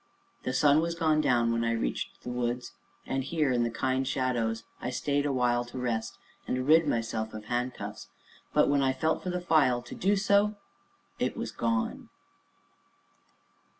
The sun was down when I reached the woods, and here, in the kind shadows, I stayed awhile to rest, and rid myself of my handcuffs; but, when I felt for the file to do so it was gone.